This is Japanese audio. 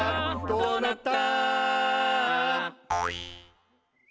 「どうなった？」